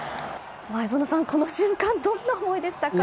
前園さん、この瞬間どんな思いでしたか？